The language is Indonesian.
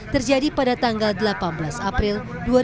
terjadi pada tanggal delapan belas april dua ribu dua puluh